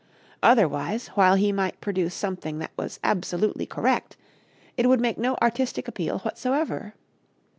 Otherwise, while he might produce something that was absolutely correct, it would make no artistic appeal whatsoever.